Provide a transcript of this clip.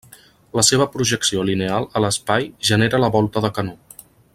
La seva projecció lineal a l'espai genera la volta de canó.